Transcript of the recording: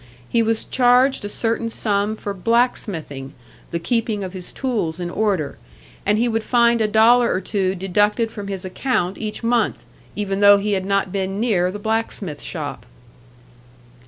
He was charged a certain sum for "black smithing" the keeping of his tools in order; and he would find a dollar or two deducted from his account each month, even though he had not been near the blacksmith shop.